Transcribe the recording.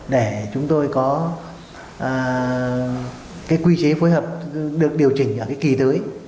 để chúng tôi có cái quy chế phối hợp được điều chỉnh ở cái kỳ tới